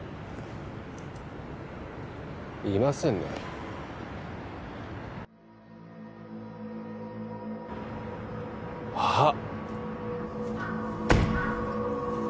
いませんねあっ！